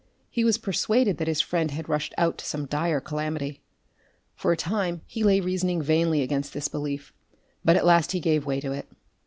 He was persuaded that his friend had rushed out to some dire calamity. For a time he lay reasoning vainly against this belief, but at last he gave way to it.